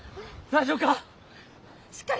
大丈夫か？